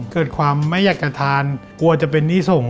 เกิดความไม่อยากจะทานกลัวจะเป็นหนี้ส่ง